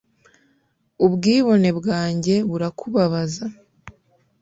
Ubwibone bwanjye burakubabaza